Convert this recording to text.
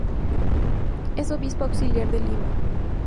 Es obispo auxiliar de Lima.